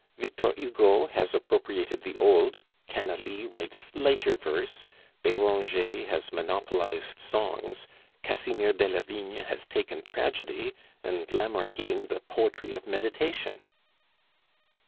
Victor Hugo has appropriated the old, Canalis writes lighter verse, Beranger has monopolized songs, Casimir Delavigne has taken tragedy, and Lamartine the poetry of meditation."